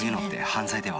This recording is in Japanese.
犯罪では」